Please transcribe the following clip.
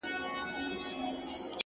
څڼور له ټولو څخه ورک دی-